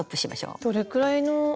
どれくらいの？